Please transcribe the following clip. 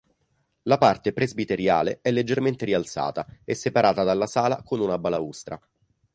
La parte presbiteriale è leggermente rialzata e separata dalla sala con una balaustra.